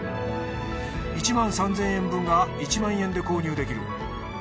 １万３，０００円分が１万円で購入できる。